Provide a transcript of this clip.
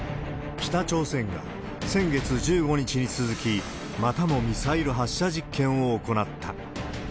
北朝鮮が先月１５日に続き、またもミサイル発射実験を行った。